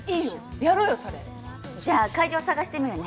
やろうよそれじゃあ会場探してみるね